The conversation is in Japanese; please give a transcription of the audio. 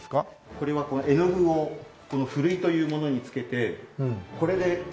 これはこの絵の具をこのふるいというものにつけてこれでこの版木に。